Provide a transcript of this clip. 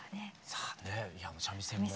さあ三味線も。